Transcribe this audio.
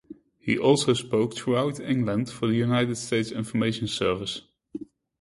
He also spoke throughout England for the United States Information Service.